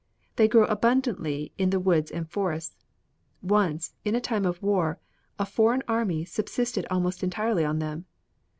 They grow abundantly in the woods and forests. Once, in time of war, a foreign army subsisted almost entirely on them.